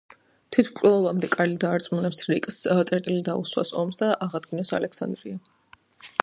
თვითმკვლელობამდე, კარლი დაარწმუნებს რიკს წერტილი დაუსვას ომს და აღადგინოს ალექსანდრია.